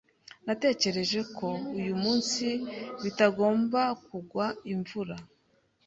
Natekereje ko uyu munsi bitagomba kugwa imvura.